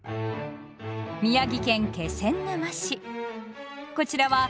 宮城県気仙沼市。